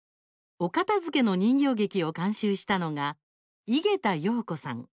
お片づけの人形劇を監修したのが井桁容子さん。